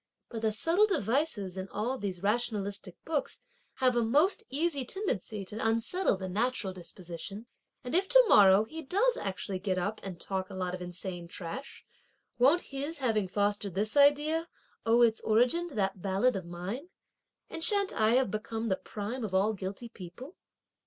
But the subtle devices in all these rationalistic books have a most easy tendency to unsettle the natural disposition, and if to morrow he does actually get up, and talk a lot of insane trash, won't his having fostered this idea owe its origin to that ballad of mine; and shan't I have become the prime of all guilty people?"